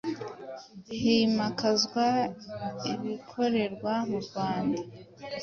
himakazwa ibikorerwa mu Rwanda